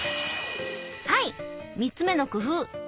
はい３つ目の工夫！